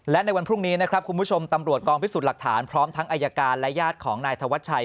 และในวันพรุ่งนี้นะครับคุณผู้ชมตำรวจกองพิสูจน์หลักฐานพร้อมทั้งอายการและญาติของนายธวัชชัย